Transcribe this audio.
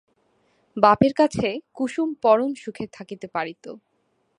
বাপের কাছে কুসুম পরম সুখে থাকিতে পারিত।